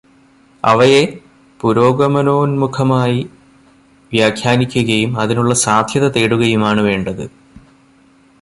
അവയെ പുരോഗമനോന്മുഖമായി വ്യാഖ്യാനിക്കുകയും അതിനുള്ള സാധ്യത തേടുകയുമാണു വേണ്ടത്